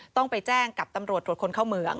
ต้องไปแจ้งกับตำรวจตรวจคนเข้าเมือง